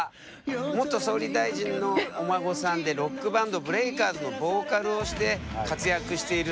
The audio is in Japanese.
元総理大臣のお孫さんでロックバンドＢＲＥＡＫＥＲＺのボーカルをして活躍しているんだよね。